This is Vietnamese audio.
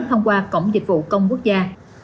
thông qua cổng dịch vụ công quốc gia